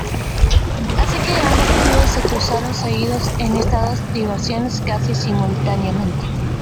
Es así que ambos clubes se cruzaban seguido en estas dos divisiones casi simultáneamente.